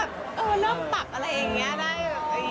แบบเออนั่งปักอะไรอย่างเงี้ย